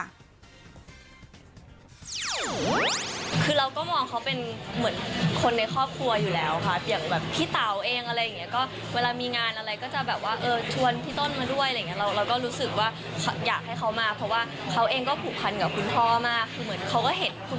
เรื่องแฟนเก่าผ่านไปสำหรับว่าที่แฟนใหม่อย่างไฮโซไนท์